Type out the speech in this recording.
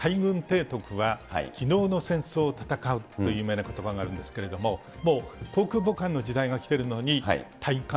よくはきのうの戦争を戦うという有名なことばがあるんですけれども、もう航空母艦の時代が来ているのに、たい